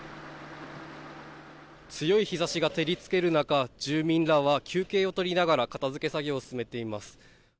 強い日差しが照りつける中住民らは休憩を取りながら片付け作業を進めています。